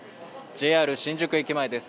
ＪＲ新宿駅前です